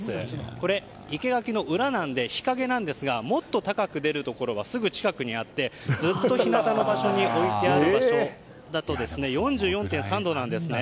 これ、生け垣の裏なので日陰なんですがもっと高く出るところがすぐ近くにあってずっと日なたの場所だと４４．３度なんですね。